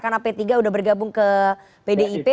karena p tiga sudah bergabung ke pdip